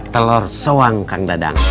telor soang kang dadang